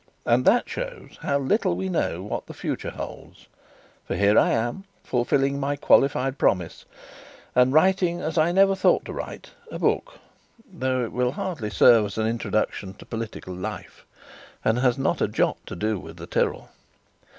And that shows how little we know what the future holds; for here I am, fulfilling my qualified promise, and writing, as I never thought to write, a book though it will hardly serve as an introduction to political life, and has not a jot to do with the Tyrol.